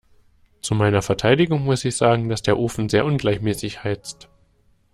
Zu meiner Verteidigung muss ich sagen, dass der Ofen sehr ungleichmäßig heizt.